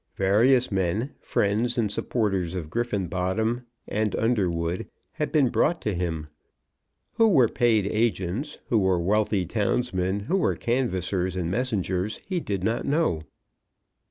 Various men, friends and supporters of Griffenbottom and Underwood, had been brought to him. Who were paid agents, who were wealthy townsmen, who were canvassers and messengers, he did not know.